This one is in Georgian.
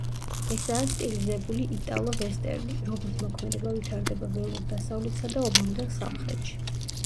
ესაა სტილიზებული იტალო-ვესტერნი, რომლის მოქმედება ვითარდება ველურ დასავლეთსა და ომამდელ სამხრეთში.